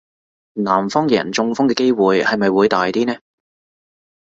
南方嘅人中風嘅機會係咪會大啲呢?